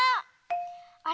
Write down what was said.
あれ？